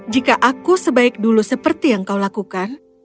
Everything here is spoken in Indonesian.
jika aku sebaik dulu seperti yang kau lakukan